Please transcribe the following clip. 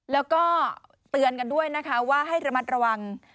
แล้วก็เตือนกันด้วยนะคะว่าให้ระมัดระวัง